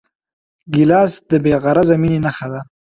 ګیلاس د بېغرضه مینې نښه ده.